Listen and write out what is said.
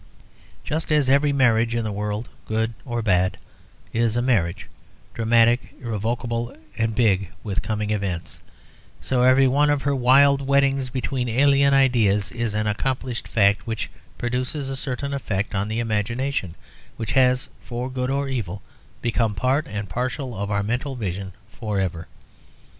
Just as every marriage in the world, good or bad, is a marriage, dramatic, irrevocable, and big with coming events, so every one of her wild weddings between alien ideas is an accomplished fact which produces a certain effect on the imagination, which has for good or evil become part and parcel of our mental vision forever.